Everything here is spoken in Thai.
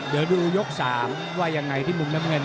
เดี๋ยวดูยก๓ว่ายังไงที่มุมน้ำเงิน